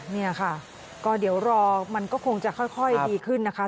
นี่ค่ะก็เดี๋ยวรอมันก็คงจะค่อยดีขึ้นนะคะ